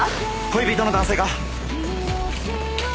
恋人の男性が。